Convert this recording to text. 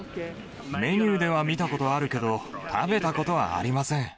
メニューでは見たことあるけど、食べたことはありません。